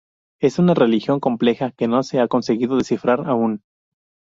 Es una religión compleja, que no se ha conseguido descifrar aún.